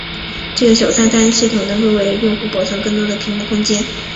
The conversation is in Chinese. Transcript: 这个小菜单系统能够为用户保存更多的屏幕空间以便处理图形。